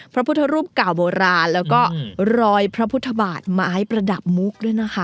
พระพุทธรูปเก่าโบราณแล้วก็รอยพระพุทธบาทไม้ประดับมุกด้วยนะคะ